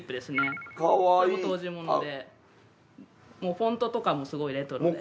フォントとかもすごいレトロで。